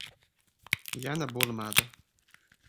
Yana bo‘lmadi.